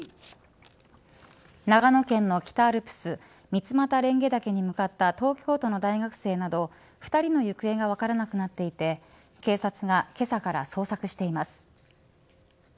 長野県の北アルプス三俣蓮華岳に向かった東京都の大学生など２人の行方が分からなくなっていて警察がけさから捜索しています。